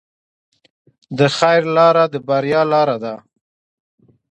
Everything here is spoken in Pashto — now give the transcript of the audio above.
د خیر لاره د بریا لاره ده.